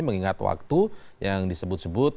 mengingat waktu yang disebut sebut